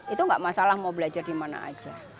itu enggak masalah mau belajar di mana aja